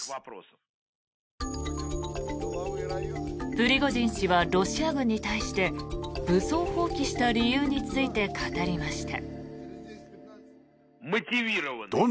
プリゴジン氏はロシア軍に対して武装蜂起した理由について語りました。